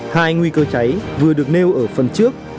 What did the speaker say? hai nguy cơ cháy vừa được nêu ở phần trước